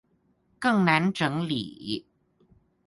更難整理